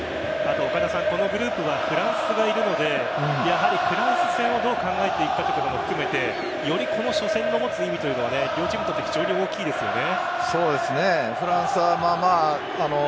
このグループはフランスがいるのでやはりフランス戦をどう考えていくかも含めてよりこの初戦の持つ意味というのは両チームにとって非常に大きいですよね。